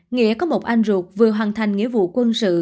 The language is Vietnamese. nghĩa có một anh ruột vừa hoàn thành nghĩa vụ quân sự